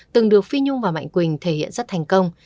từng được phi nhung và mạnh quỳnh thể hiện rất thành công